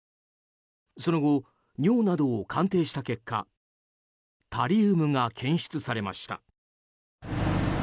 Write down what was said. その後、尿などを鑑定した結果タリウムが検出されました。